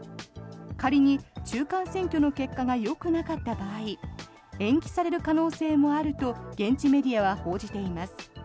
仮に中間選挙の結果がよくなかった場合延期される可能性もあると現地メディアは報じています。